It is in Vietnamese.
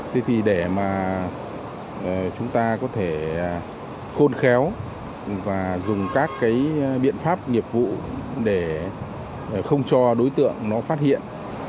thế thì để mà chúng ta có thể khôn khéo và dùng các cái biện pháp nghiệp vụ để không cho đối tượng nó phát hiện